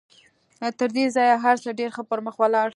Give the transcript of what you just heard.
تر دې ځایه هر څه ډېر ښه پر مخ ولاړل